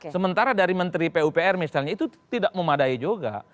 sementara dari menteri pupr misalnya itu tidak memadai juga